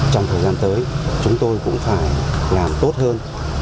trong thời gian tới chúng tôi cũng phải làm tốt hơn